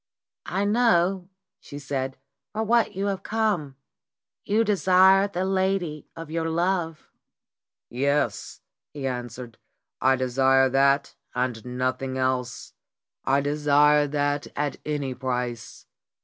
"I know," she said, "for what you have come. You desire the lady of your love." "Yes," he answered, "I desire that and nothing else. I desire that at any price.